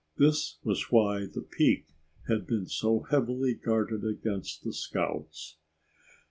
That was why the peak had been so heavily guarded against the scouts.